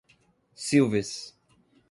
Silves